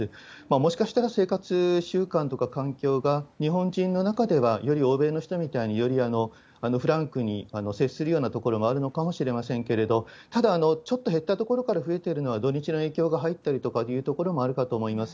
もしかしたら生活習慣とか環境が、日本人の中ではより欧米の人みたいに、よりフランクに接するようなところもあるのかもしれませんけれども、ただ、ちょっと減ったところから増えているのは、土日の影響が入ったりとかというところでもあるかと思います。